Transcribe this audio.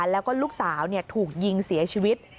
แล้วก็ลูกสาวถูกยิงเสียชีวิต